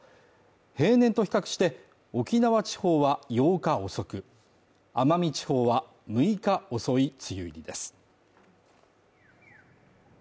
平年と比較して沖縄地方は８日遅く、奄美地方は６日遅い梅雨入りです。